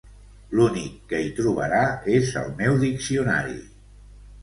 L'únic que hi trobarà és el meu diccionari.